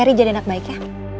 ceri jadi anak baik ya